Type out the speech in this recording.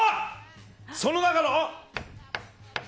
その中の！